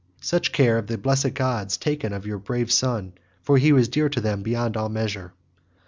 Such care have the blessed gods taken of your brave son, for he was dear to them beyond all measure."